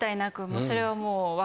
もうそれはもう。